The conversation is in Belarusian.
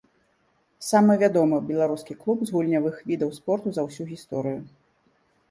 Самы вядомы беларускі клуб з гульнявых відаў спорту за ўсю гісторыю.